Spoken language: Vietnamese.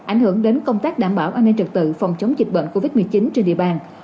ảnh hưởng đến công tác đảm bảo an ninh trực tự phòng chống dịch bệnh covid một mươi chín trên địa bàn